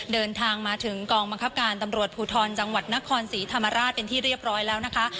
เดินทางมาถึงกองบังคับการตำรวจภูทรจังหวัดนครศรีธรรมราชเป็นที่เรียบร้อยแล้วนะคะ